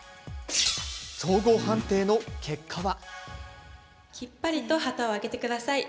総合判定の結果は。